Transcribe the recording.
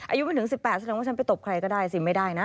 อายุไม่ถึง๑๘แสดงว่าฉันไปตบใครก็ได้สิไม่ได้นะ